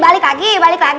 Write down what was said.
balik lagi balik lagi